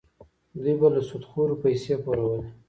دوی به له سودخورو پیسې پورولې.